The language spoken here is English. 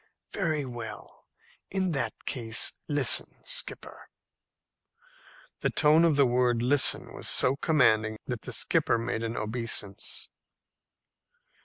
"Very well; in that case listen, skipper." The tone of the word "listen" was so commanding that the skipper made an obeisance.